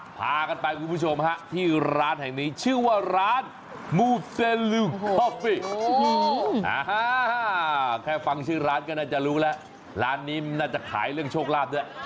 พากันไปคุณผู้ชมฮะที่ร้านแห่งนี้ชื่อว่าร้านมูเซลูฮอฟฟิแค่ฟังชื่อร้านก็น่าจะรู้แล้วร้านนี้มันน่าจะขายเรื่องโชคลาภด้วย